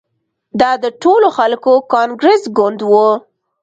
دا د ټولو خلکو کانګرس ګوند وو.